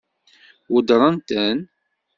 Weddṛent-ten?